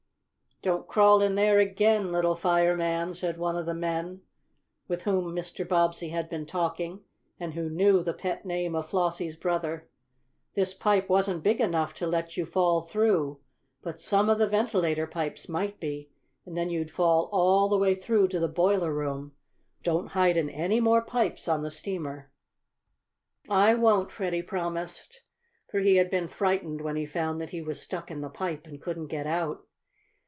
"Don't crawl in there again, little fireman," said one of the men with whom Mr. Bobbsey had been talking, and who knew the pet name of Flossie's brother. "This pipe wasn't big enough to let you fall through, but some of the ventilator pipes might be, and then you'd fall all the way through to the boiler room. Don't hide in any more pipes on the steamer." "I won't," Freddie promised, for he had been frightened when he found that he was stuck in the pipe and couldn't get out.